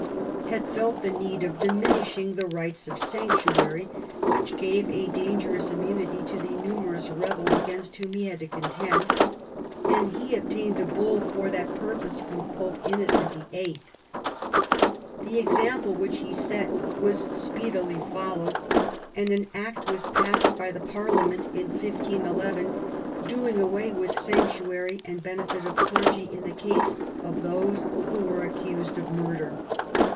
had felt the need ^' of diminishing the rights of sanctuary, which gave a dangerous immunity to the numerous rebels against whom he had to contend, and he obtained a bull for that purpose from Pope Innocent VIII. The example which he set was speedily followed, and an Act was passed by iL/ the l^arliament of 1511, doing away with sanctuary and^ benefit of clergy in the case of those who were accused of murder.